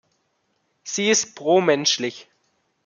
Sie ist pro-menschlich.